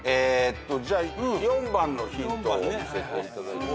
じゃあ４番のヒントを見せていただいて。